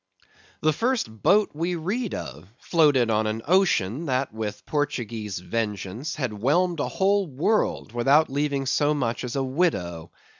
The first boat we read of, floated on an ocean, that with Portuguese vengeance had whelmed a whole world without leaving so much as a widow.